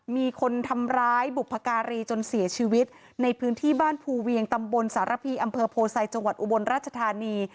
มีคนทำร้ายบุพการีจนเสียชีวิตในพื้นที่บ้านภูเวียงตำบลสารพีอำเภอโพไซจังหวัดอุบลราชธานี